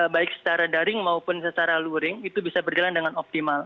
baik secara daring maupun secara luring itu bisa berjalan dengan optimal